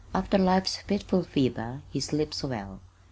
After life's fitful fever he sleeps well.